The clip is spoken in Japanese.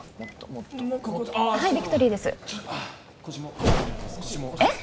はいビクトリーですえっ？